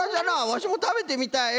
わしもたべてみたい。